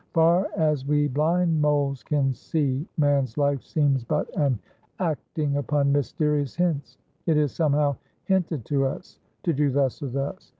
Far as we blind moles can see, man's life seems but an acting upon mysterious hints; it is somehow hinted to us, to do thus or thus.